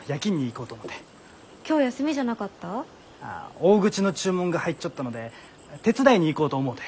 大口の注文が入っちょったので手伝いに行こうと思うて。